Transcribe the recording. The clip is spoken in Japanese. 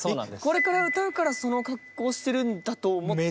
これから歌うからその格好してるんだと思って。